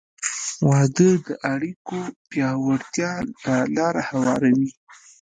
• واده د اړیکو پیاوړتیا ته لار هواروي.